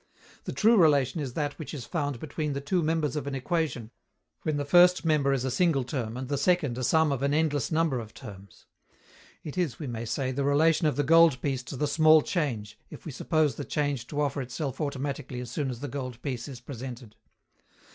The true relation is that which is found between the two members of an equation, when the first member is a single term and the second a sum of an endless number of terms. It is, we may say, the relation of the gold piece to the small change, if we suppose the change to offer itself automatically as soon as the gold piece is presented.